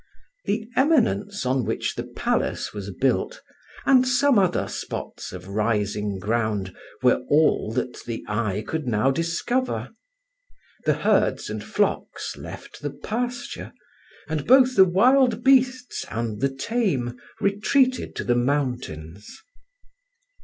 The eminence on which the palace was built, and some other spots of rising ground, were all that the eye could now discover. The herds and flocks left the pasture, and both the wild beasts and the tame retreated to the mountains.